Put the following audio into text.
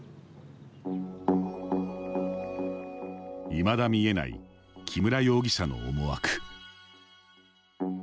いまだ見えない木村容疑者の思惑。